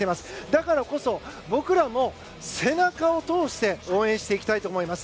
だからこそ僕らも背中を通して応援していきたいと思います。